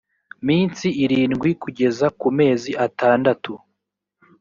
minsi irindwi kugeza ku mezi atandatu